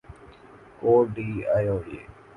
quote d Ivory